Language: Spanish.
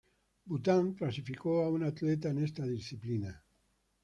Bután clasificó a un atleta en esta disciplina.